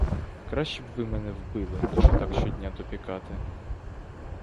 Краще б ви мене вбили, ніж отак щодня допікати!